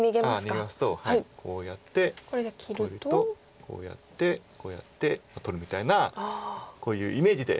逃げますとこうやってこうやるとこうやってこうやって取るみたいなこういうイメージで。